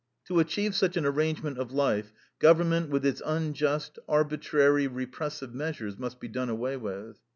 To achieve such an arrangement of life, government, with its unjust, arbitrary, repressive measures, must be done away with.